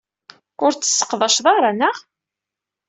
Ur tt-tesseqdaceḍ ara, naɣ?